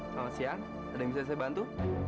selamat siang ada yang bisa saya bantu